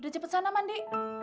udah cepet sana mandi